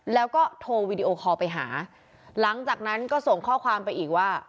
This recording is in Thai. แล้วก็โทรวีดีโอคอลไปหาหลังจากนั้นก็ส่งข้อความไปอีกว่า